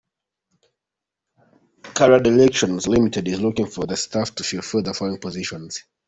Career Directions Ltd is looking for the staff to fill the following positions :.